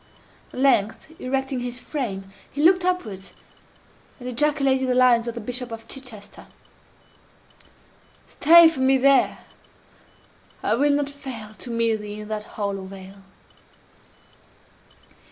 At length, erecting his frame, he looked upwards, and ejaculated the lines of the Bishop of Chichester: "Stay for me there! I will not fail _To meet thee in that hollow vale."